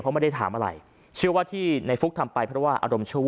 เพราะไม่ได้ถามอะไรเชื่อว่าที่ในฟุ๊กทำไปเพราะว่าอารมณ์ชั่ว